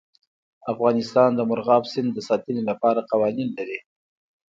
افغانستان د مورغاب سیند د ساتنې لپاره قوانین لري.